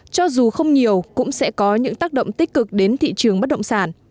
cho dù không nhiều cũng sẽ có những tác động tích cực đến thị trường bất động sản